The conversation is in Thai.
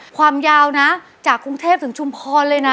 ความยาวนะจากกรุงเทพถึงชุมพรเลยนะ